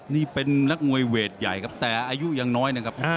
นี่เป็นนักมวยเวทใหญ่ครับแต่อายุยังน้อยนะครับ